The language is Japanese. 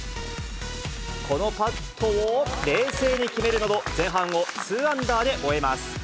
このパットを冷静に決めるなど、前半を２アンダーで終えます。